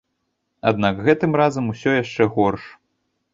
Аднак гэтым разам усё яшчэ горш.